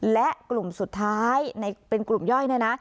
และกลุ่มสุดท้ายเป็นกลุ่มย่อยเนี่ยนะ